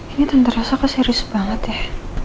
ini tante rosa keserius banget ya